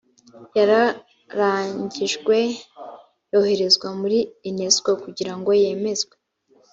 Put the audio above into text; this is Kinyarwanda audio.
yararangijwe yoherezwa muri unesco kugira ngo yemezwe